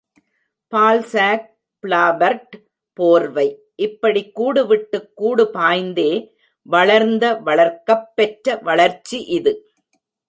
Balzac, பிளாபர்ட் போர்வை! இப்படிக் கூடுவிட்டுக் கூடுபாய்ந்தே வளர்ந்த வளர்க்கப்பெற்ற வளர்ச்சி இது!